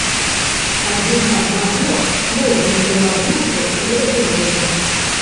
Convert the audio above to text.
Адзін аднаго, слова не прылажыўшы, зразумелі.